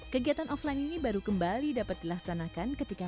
kegiatan off line ini baru kembali dapat dilaksanakan ketika